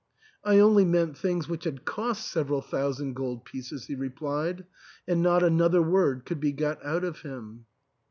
"I only meant things which had cost several thousand gold pieces," he replied; and not another word could be got out of him.